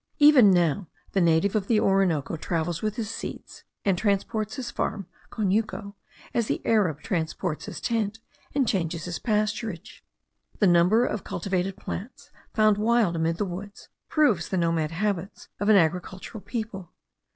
Even now the native of the Orinoco travels with his seeds; and transports his farm (conuco) as the Arab transports his tent, and changes his pasturage. The number of cultivated plants found wild amid the woods, proves the nomad habits of an agricultural people.